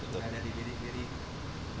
gak ada di diri diri